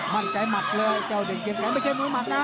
มั่นใจหมัดเลยเจ้าเด่นเกมแดงไม่ใช่มวยหมัดนะ